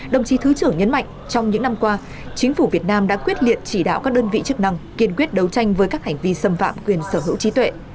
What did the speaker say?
đồng chí thứ trưởng nhấn mạnh trong những năm qua chính phủ việt nam đã quyết liệt chỉ đạo các đơn vị chức năng kiên quyết đấu tranh với các hành vi xâm phạm quyền sở hữu trí tuệ